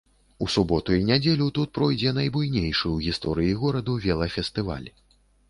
У суботу і нядзелю тут пройдзе найбуйнейшы ў гісторыі гораду велафестываль.